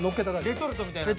レトルトみたいな。